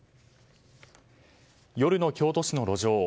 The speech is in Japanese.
夜の京都市の路上。